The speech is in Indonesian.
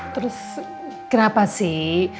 terus kenapa sih